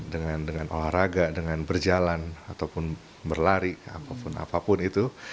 dengan olahraga dengan berjalan ataupun berlari apapun apapun itu